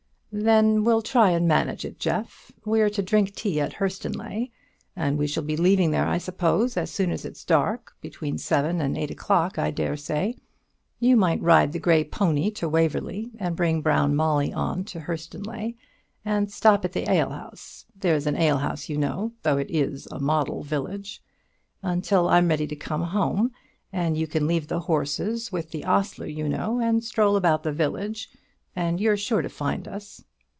"Then we'll try and manage it, Jeff. We're to drink tea at Hurstonleigh; and we shall be leaving there, I suppose, as soon as it's dark between seven and eight o'clock, I dare say. You might ride the grey pony to Waverly, and bring Brown Molly on to Hurstonleigh, and stop at the alehouse there's an alehouse, you know, though it is a model village until I'm ready to come home; and you can leave the horses with the ostler, you know, and stroll about the village, and you're sure to find us."